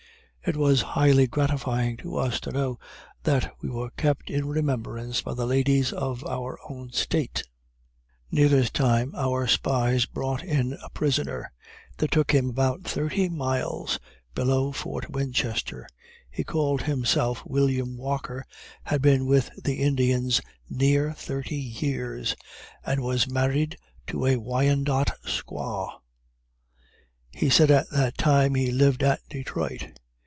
It was highly gratifying to us to know that we were kept in remembrance by the ladies of our own State. Near this time our spies brought in a prisoner. They took him about thirty miles below Fort Winchester. He called himself William Walker; had been with the Indians near thirty years, and was married to a Wyandott squaw; he said at that time he lived at Detroit.